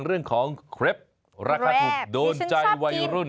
เรื่องของเคล็ปราคาถูกโดนใจวัยรุ่น